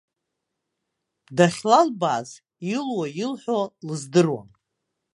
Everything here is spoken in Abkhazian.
Дахьлалбааз илуа, илҳәо лыздыруам.